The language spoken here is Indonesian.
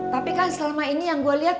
tapi kan selama ini yang gue lihat